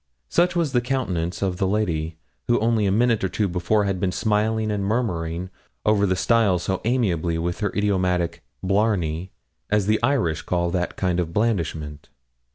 Such was the countenance of the lady who only a minute or two before had been smiling and murmuring over the stile so amiably with her idiomatic 'blarney,' as the Irish call that kind of blandishment.